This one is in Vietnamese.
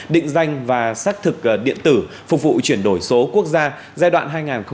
định danh và xác thực điện tử phục vụ chuyển đổi số quốc gia giai đoạn hai nghìn hai mươi một hai nghìn hai mươi năm